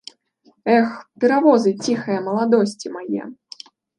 Эх, перавозы ціхае маладосці мае!